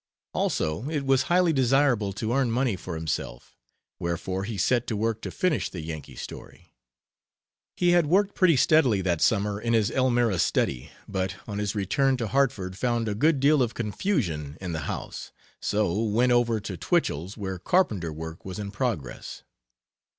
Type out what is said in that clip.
Also it was highly desirable to earn money for himself; wherefore he set to work to finish the Yankee story. He had worked pretty steadily that summer in his Elmira study, but on his return to Hartford found a good deal of confusion in the house, so went over to Twichell's, where carpenter work was in progress.